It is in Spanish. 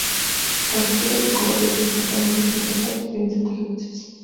Contra cielos de cobalto, se destacan nubes luminosas y horizontes rojizos.